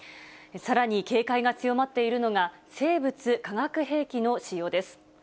さらに警戒が強まっているのが、生物化学兵器の使用です。